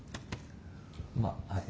まあはい。